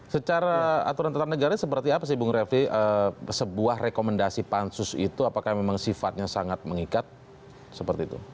secara aturan tentang negara seperti apa sih bung refli sebuah rekomendasi pansus itu apakah memang sifatnya sangat mengikat seperti itu